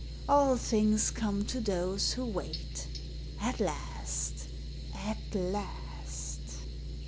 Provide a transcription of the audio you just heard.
All things come to those who wait — at last! at last!